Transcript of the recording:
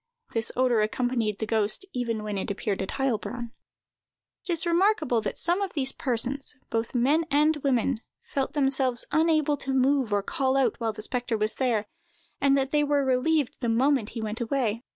This odor accompanied the ghost even when it appeared at Heilbronn. It is remarkable that some of these persons, both men and women, felt themselves unable to move or call out while the spectre was there, and that they were relieved the moment he went away.